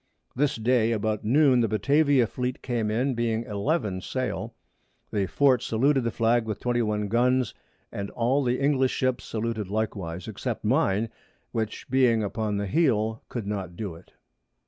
This Day about Noon the Batavia Fleet came in, being 11 Sail. The Fort saluted the Flag with 21 Guns, and all the English Ships saluted likewise, except mine, which being upon the Heel, could not do it.